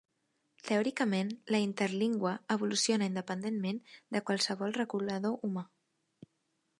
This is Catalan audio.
Teòricament, la interlingua evoluciona independentment de qualsevol regulador humà.